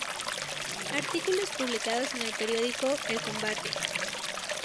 Artículos publicados en el periódico El Combate.